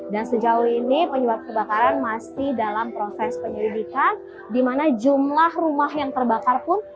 dan sejauh ini penyebab kebakaran masih dalam proses penyelidikan